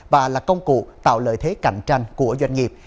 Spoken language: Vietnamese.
và là công cụ tạo lợi thế cạnh tranh của doanh nghiệp